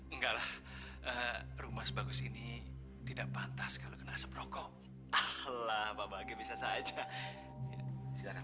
enggak rumah sebagus ini tidak pantas kalau kena asap rokok allah bapak bisa saja silahkan